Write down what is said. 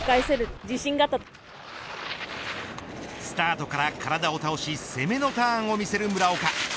スタートから体を倒し攻めのターンを見せる村岡。